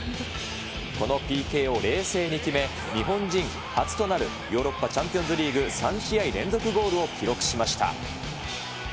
このＰＫを冷静に決め、日本人初となるヨーロッパチャンピオンズリーグ３試合連続ゴールを記録しました。